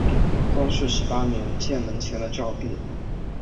光绪十八年建门前的照壁。